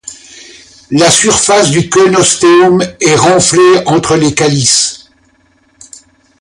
La surface du coenostéum est renflée entre les calices.